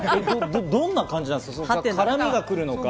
どんな感じなんですか？